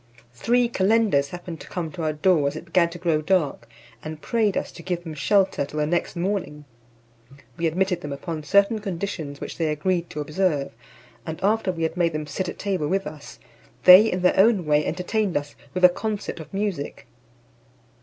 Three calenders happened to come to our door as it began to grow dark, and prayed us to give them shelter till the next morning We admitted them upon certain conditions which they agreed to observe; and after we had made them sit at table with us, they in their own way entertained us with a concert of music.